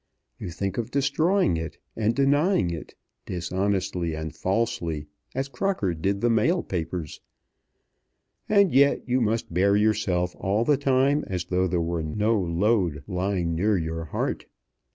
You think of destroying it and denying it, dishonestly and falsely, as Crocker did the mail papers. And yet you must bear yourself all the time as though there were no load lying near your heart.